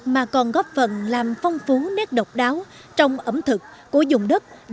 mà còn góp phần làm phong phú nét độc đáo trong ẩm thực của dùng đất